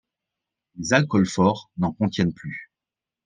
Les alcools forts n'en contiennent plus.